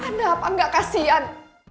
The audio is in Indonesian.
anda apa enggak kasihan